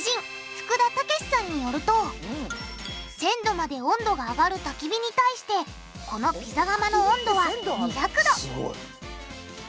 福田岳志さんによると１０００℃まで温度が上がるたき火に対してこのピザ窯の温度は２００℃！